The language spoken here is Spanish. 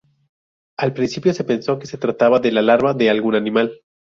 Al principio se pensó que se trataba de la larva de algún animal.